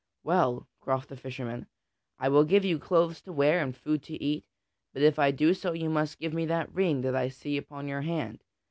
"Well," quoth the fisherman, "I will give you clothes to wear and food to eat, but if I do so you must give me that ring that I see upon your hand.